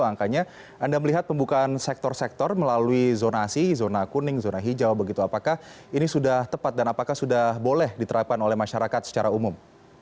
angkanya anda melihat pembukaan sektor sektor melalui zonasi zona kuning zona hijau begitu apakah ini sudah tepat dan apakah sudah boleh diterapkan oleh masyarakat secara umum